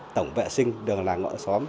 tổng vệ sinh đường làng ngọn xóm